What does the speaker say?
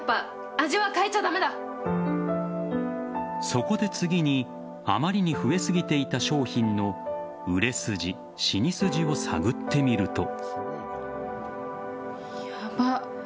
そこで次にあまりに増えすぎていた商品の売れ筋、死に筋を探ってみると。